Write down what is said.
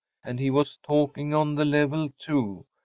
And he was talking on the level, too.